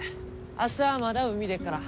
明日まだ海出っから。